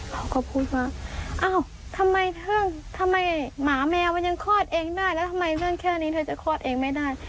เขาก็พูดว่าอ้าวทำไมเรื่องทำไมหมาแมวมันยังคลอดเองได้แล้วทำไมเรื่องแค่นี้เธอจะคลอดเองไม่ได้